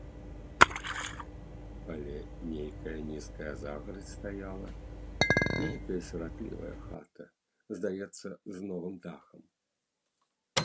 Але нейкая нізкая загарадзь стаяла, нейкая сіратлівая хата, здаецца, з новым дахам.